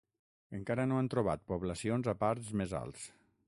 Encara no han trobat poblacions a parts més alts.